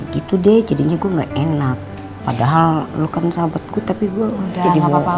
gitu deh jadinya gue nggak enak padahal lu kan sahabatku tapi gue udah nggak apa apa udah udah